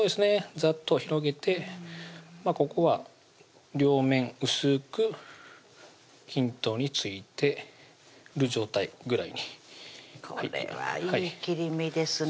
ざっと広げてここは両面薄く均等に付いてる状態ぐらいにこれはいい切り身ですね